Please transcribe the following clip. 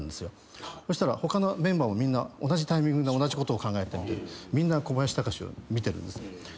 そしたら他のメンバーもみんな同じタイミングで同じことを考えてみんな小林隆を見てるんですね。